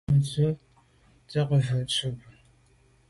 Me tswe’ tsha mfe tu bwe.